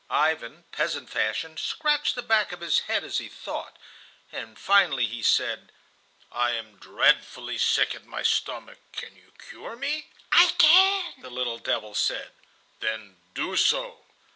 Ivan, peasant fashion, scratched the back of his head as he thought, and finally he said: "I am dreadfully sick at my stomach. Can you cure me?" "I can," the little devil said. "Then do so."